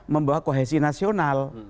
membawa kohesi nasional